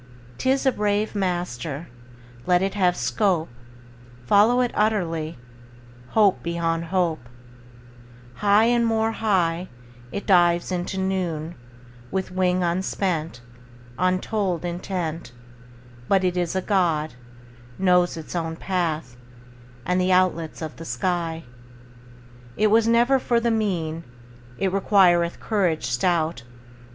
'Tis a brave master; Let it have scope: Follow it utterly, Hope beyond hope: High and more high It dives into noon, With wing unspent, Untold intent; But it is a God, Knows its own path And the outlets of the sky. It was never for the mean; It requireth courage stout.